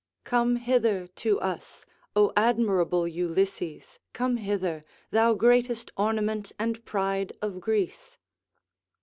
["Come hither to us, O admirable Ulysses, come hither, thou greatest ornament and pride of Greece."